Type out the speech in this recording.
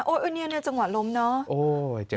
โอ้ยนี่จังหวะล้มเนาะ